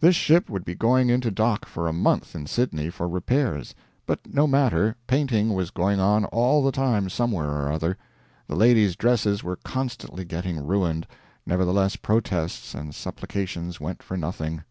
This ship would be going into dock for a month in Sydney for repairs; but no matter, painting was going on all the time somewhere or other. The ladies' dresses were constantly getting ruined, nevertheless protests and supplications went for nothing.